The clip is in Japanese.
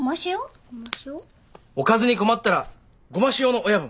おかずに困ったらごま塩の親分。